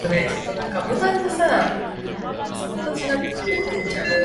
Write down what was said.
하며 이 집에 와서 처음으로 영신이와 말을 주고받았다.